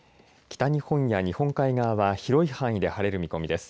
北日本や日本海側は広い範囲で晴れる見込みです。